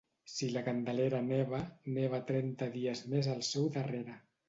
Si la Candelera neva, neva trenta dies més al seu darrere.